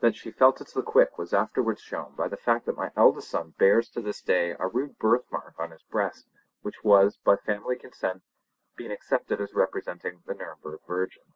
That she felt it to the quick was afterwards shown by the fact that my eldest son bears to this day a rude birthmark on his breast, which has, by family consent, been accepted as representing the Nurnberg Virgin.